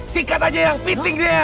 sikat aja yang piting dia